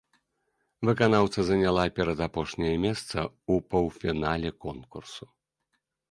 Выканаўца заняла перадапошняе месца ў паўфінале конкурсу.